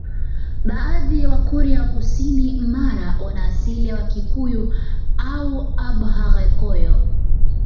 Baadhi ya Wakurya wa kusini Mara wana asili ya Wakikuyu au Abhaghekoyo